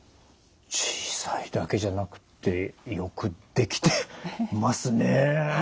小さいだけじゃなくってよく出来てますね。